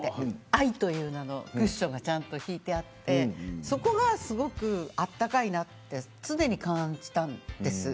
愛という名のクッションが敷いてあってそこがすごくあったかいなと常に感じたんです。